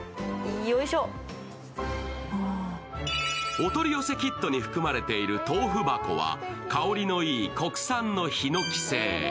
お取り寄せキットに含まれている豆腐箱は香りのいい国産のひのき製。